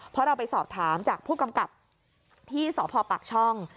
เพราะเราไปสอบถามจากผู้กำกับที่สพปากช่อง